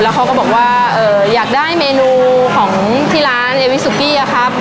เขาก็บอกว่าอยากได้เมนูของที่ร้านเอวิสุกี้อะครับ